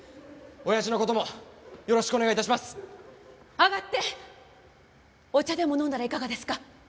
上がってお茶でも飲んだらいかがですか？